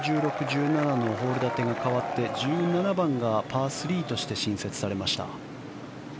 １５、１６、１７のホール建てが変わって１７番がパー３として新設されました。